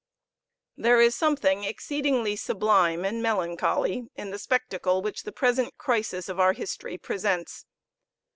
There is something exceedingly sublime and melancholy in the spectacle which the present crisis of our history presents.